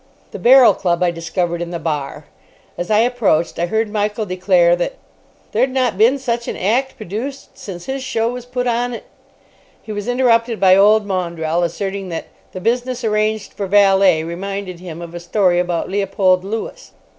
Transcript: The Barrel Club I discovered in the bar. As I approached, I heard Michael declare that "there'd not been such an act produced since his show was put on at——" He was interrupted by old Maundrell asserting that "the business arranged for valet reminded him of a story about Leopold Lewis."